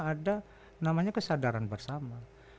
ada namanya kesadaran bersama